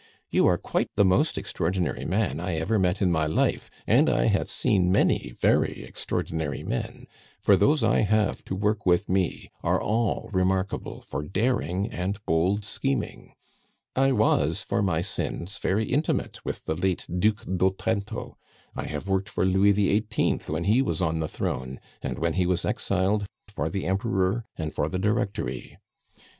"You are quite the most extraordinary man I ever met in my life, and I have seen many very extraordinary men, for those I have to work with me are all remarkable for daring and bold scheming. "I was, for my sins, very intimate with the late Duc d'Otranto; I have worked for Louis XVIII. when he was on the throne; and, when he was exiled, for the Emperor and for the Directory.